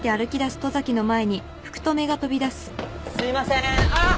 すいませんあっ！